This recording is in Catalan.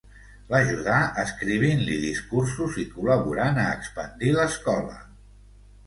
L'ajudà escrivint-li discursos i col·laborant a expandir l'escola.